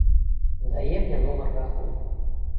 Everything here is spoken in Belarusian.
Дае мне нумар рахунку.